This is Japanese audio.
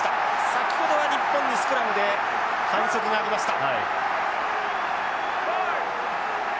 先ほどは日本にスクラムで反則がありました。